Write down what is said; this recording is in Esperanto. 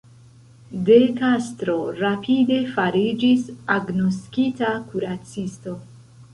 De Castro rapide fariĝis agnoskita kuracisto.